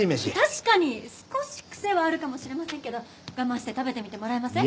確かに少し癖はあるかもしれませんけど我慢して食べてみてもらえません？